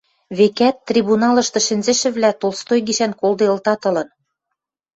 Векӓт, трибуналышты шӹнзӹшӹвлӓ Толстой гишӓн колделытат ылын.